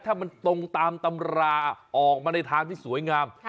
ถ้ามันตรงตามตำราออกมาในทางที่สวยงาม